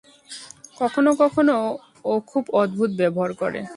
কখনো কখনো ও খুব অদ্ভুত ব্যবহার করে।